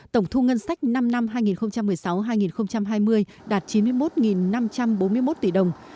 tổng thu ngân sách năm năm hai nghìn một mươi sáu hai nghìn hai mươi đạt chín mươi một năm trăm bốn mươi một tỷ đồng